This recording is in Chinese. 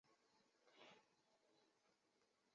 康熙三十九年去世。